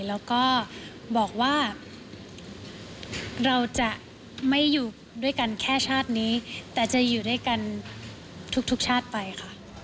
แล้วก็บอกว่าเราจะไม่อยู่ด้วยกันแค่ชาตินี้แต่จะอยู่ด้วยกันทุกชาติไปค่ะ